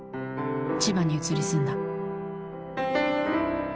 千葉に移り住んだ。